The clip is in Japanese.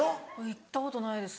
行ったことないです